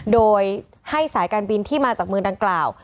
โดยให้สายการบินที่มาจากเมืองดังกล่าว